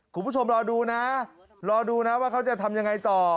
คุณผู้ชมรอดูนะรอดูนะว่าเขาจะทำยังไงต่อ